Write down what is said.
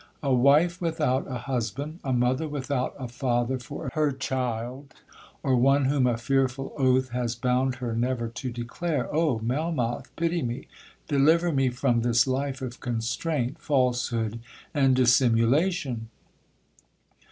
—a wife without a husband—a mother without a father for her child, or one whom a fearful oath has bound her never to declare! Oh! Melmoth, pity me,—deliver me from this life of constraint, falsehood, and dissimulation.